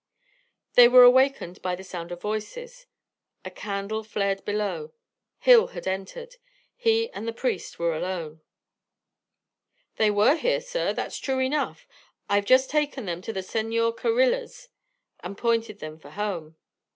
They were awakened by the sound of voices. A candle flared below. Hill had entered. He and the priest were alone. "They were here, sir, that's true enough. I've just taken them to the Sennor Carriller's and pointed them fur home.